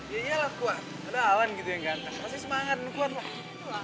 ya iyalah kuat ada alan gitu yang ganteng pasti semangat lo kuat lah